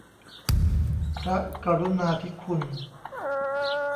พระกรุณาธิคุณ